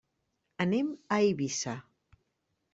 Anem a Eivissa.